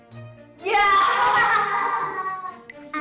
omanya dan susternya